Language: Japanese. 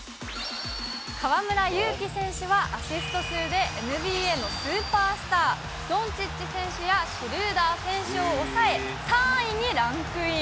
河村勇輝選手はアシスト数でＮＢＡのスーパースター、ドンチッチ選手やシュルーダー選手を抑え、３位にランクイン。